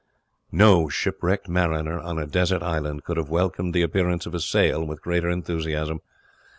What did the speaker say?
No shipwrecked mariner on a desert island could have welcomed the appearance of a sail with greater enthusiasm.